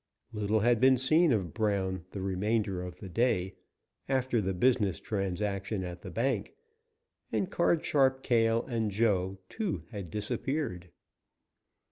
Little had been seen of Brown the remainder of the day, after the business transaction at the bank, and Card Sharp Cale, and Joe, too, had disappeared.